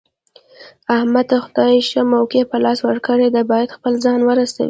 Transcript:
احمد ته خدای ښه موقع په لاس ورکړې ده، باید خپل ځان ورسوي.